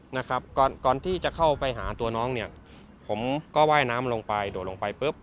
นะครับก่อนก่อนที่จะเข้าไปหาตัวน้องเนี่ยผมก็ว่ายน้ำลงไปโดดลงไปปุ๊บ